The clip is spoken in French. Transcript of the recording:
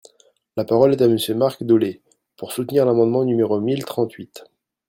La parole est à Monsieur Marc Dolez, pour soutenir l’amendement numéro mille trente-huit.